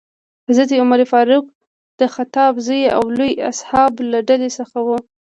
حضرت عمر فاروق د خطاب زوی او لویو اصحابو له ډلې څخه ؤ.